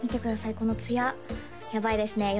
このつややばいですねよ